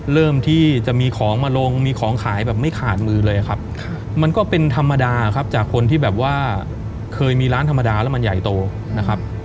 เริ่มที่จะมีของมาลงมีของขายแบบไม่ขาดมือเลยครับมันก็เป็นธรรมดาครับจากคนที่แบบว่าเคยมีร้านธรรมดาแล้วมันใหญ่โตนะครับ